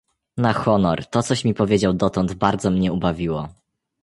"Na honor, to coś mi powiedział dotąd, bardzo mnie ubawiło."